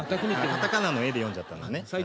カタカナの「エ」で読んじゃったのね。